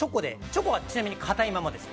チョコはちなみにかたいままです。